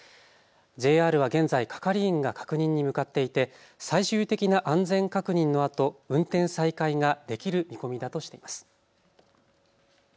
ＪＲは現在、係員が確認に向かっていて最終的な安全確認のあと運転再開ができる見込みだとしています。